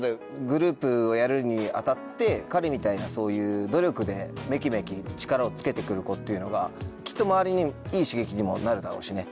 グループをやるに当たって彼みたいなそういう努力でめきめき力をつけて来る子っていうのがきっと周りにいい刺激にもなるだろうしね。